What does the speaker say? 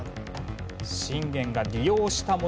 信玄が利用したもの。